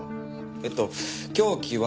えっと凶器は。